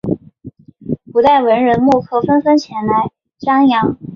古代文人墨客纷纷前来瞻仰。